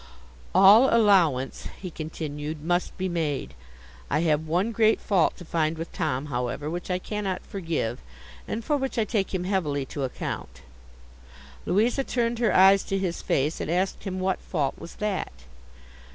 'All allowance,' he continued, 'must be made. I have one great fault to find with Tom, however, which I cannot forgive, and for which I take him heavily to account.' Louisa turned her eyes to his face, and asked him what fault was that?